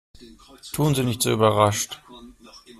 Tun Sie nicht so überrascht!